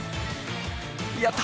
やった！